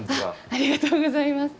ありがとうございます。